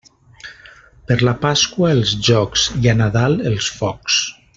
Per la Pasqua els jocs i a Nadal els focs.